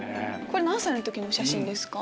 これ何歳の時の写真ですか？